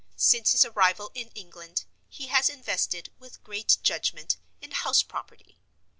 Since his arrival in England he has invested, with great judgment, in house property.